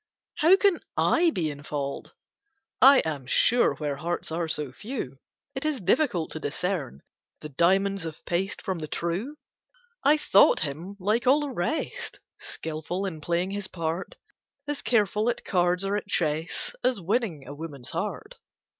How can I be in fault? I am sure where hearts are so few, It is difficult to discern The diamonds of paste from the true; I thought him like all the rest, Skilful in playing his part; As careful at cards or at chess, As winning a woman's heart.